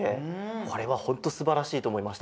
これはほんとすばらしいとおもいました。